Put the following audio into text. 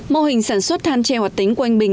mô hình sản xuất than tre hoạt tính của anh bình